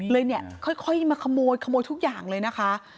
เลยเนี่ยค่อยมาขโมยขโมยทุกอย่างเลยนะคะ